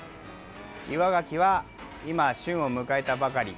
岩がきは今、旬を迎えたばかり。